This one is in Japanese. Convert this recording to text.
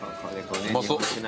うまそう。